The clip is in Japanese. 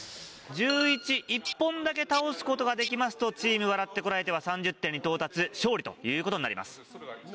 「１１」１本だけ倒すことができますとチーム「笑ってコラえて！」は３０点に到達勝利ということになります。